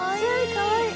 かわいい。